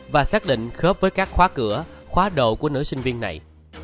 và xác định khớp với các khóa cửa khóa đồ của nữ sinh viên này